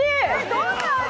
どんな味？